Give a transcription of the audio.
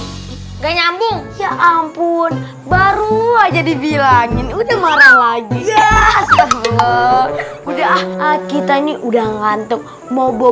enggak nyambung ya ampun baru aja dibilangin udah marah lagi udah bor udah kita nih udah ngantuk mau